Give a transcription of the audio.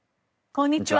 こんにちは。